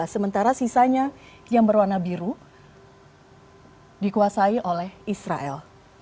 sementara sisanya yang berwarna biru dikuasai oleh israel